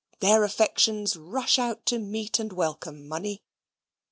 Their affections rush out to meet and welcome money.